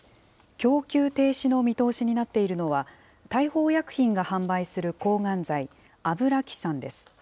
供給停止の見通しになっているのは、大鵬薬品が販売する抗がん剤、アブラキサンです。